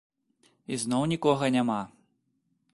І зноў нікога няма.